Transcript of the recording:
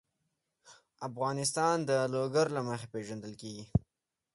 افغانستان د لوگر له مخې پېژندل کېږي.